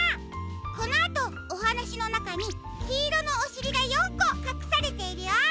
このあとおはなしのなかにきいろのおしりが４こかくされているよ。